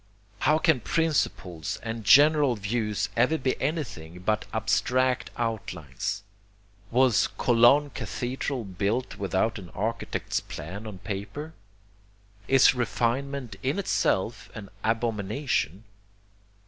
How can principles and general views ever be anything but abstract outlines? Was Cologne cathedral built without an architect's plan on paper? Is refinement in itself an abomination?